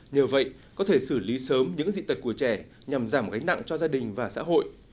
nhờ vậy có thể xử lý sớm những dị tật của trẻ nhằm giảm gánh nặng cho gia đình và xã hội